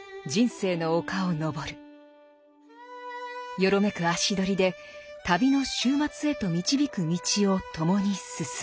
よろめく足取りで旅の終末へと導く道を共に進む。